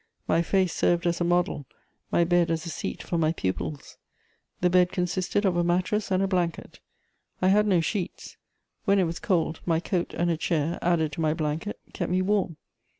My face served as a model, my bed as a seat for my pupils. The bed consisted of a mattress and a blanket. I had no sheets; when it was cold my coat and a chair, added to my blanket, kept me warm.